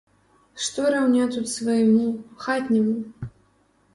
Што раўня тут свайму, хатняму?!